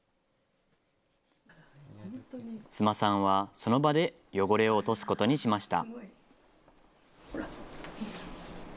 須磨さんはその場で汚れを落とすことにしました。